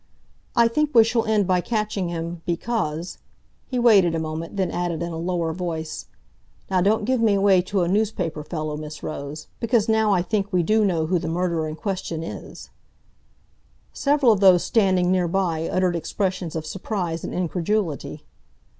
"I think we shall end by catching him—because"—he waited a moment, then added in a lower voice—"now don't give me away to a newspaper fellow, Miss Rose—because now I think we do know who the murderer in question is—" Several of those standing near by uttered expressions of surprise and incredulity.